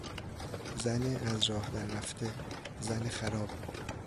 زن از راه دررفته، زن خراب